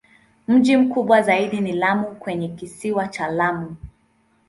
Mji mkubwa zaidi ni Lamu kwenye Kisiwa cha Lamu.